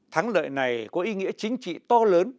thắng lợi này có ý nghĩa chính trị to lớn